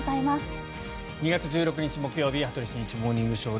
２月１６日、木曜日「羽鳥慎一モーニングショー」。